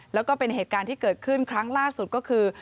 แล้วก็เป็นเหตุการณ์ที่เกิดขึ้นครั้งล่าสุดก็คือ